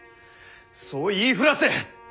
そう言い触らせ！